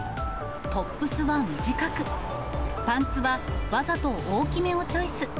トップスは短く、パンツはわざと大きめをチョイス。